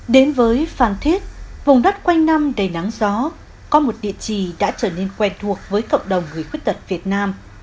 đến với phan thiết vùng đất quanh năm đầy nắng gió có một địa chỉ đã trở nên quen thuộc với cộng đồng người khuyết tật việt nam